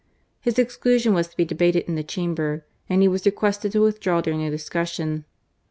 His ex clusion was to be debated in the Chamber, and he was ' requested to withdraw during the discussion.